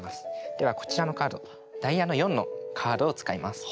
ではこちらのカードダイヤの４のカードを使います。